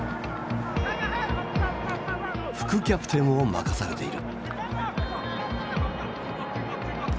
副キャプテンを任されている。